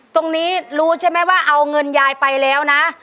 ตรงนี้รู้ใช่ไหมว่าเอาเงินยายไปแล้วนะ